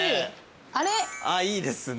あっいいですね。